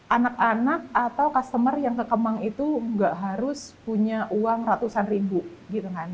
anak anak atau customer yang ke kemang itu nggak harus punya uang ratusan ribu gitu kan